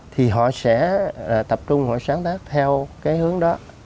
thì họ sẽ tập trung họ sáng tác theo cái hướng đó